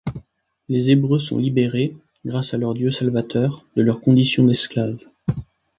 Les Hébreux sont libérés, grâce à leur Dieu salvateur, de leurs conditions d’esclaves.